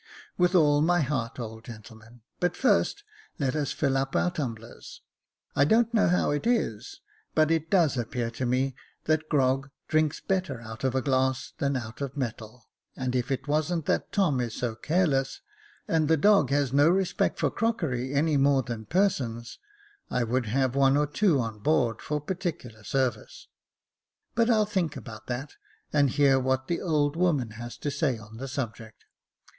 With all my heart, old gentleman; but first let us fill up our tumblers. I don't know how it is, but it does 238 Jacob Faithful appear to me that grog drinks better out of a glass than out of metal, and if it wasn't that Tom is so careless — and the dog has no respect for crockery any more than persons, I would have one or two on board for particular service ; but I'll think about that, and hear what the old woman has to say on the subject.